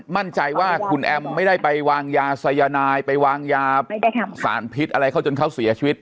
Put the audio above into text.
มั่นใจว่าคุณแอมไม่ได้ไปวางยาสายนายไปวางยาสารพิษอะไรเขาจนเขาเสียชีวิต